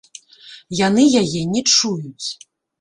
Яны яе не чуюць.